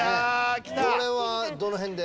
これはどの辺で？